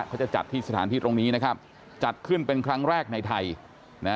เขาจะจัดที่สถานที่ตรงนี้นะครับจัดขึ้นเป็นครั้งแรกในไทยนะ